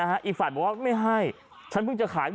กลับมาพร้อมขอบความ